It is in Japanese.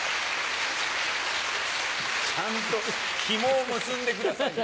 ちゃんとひもを結んでくださいよ。